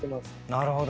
なるほど。